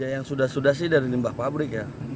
yang sudah sudah dari limbah pabrik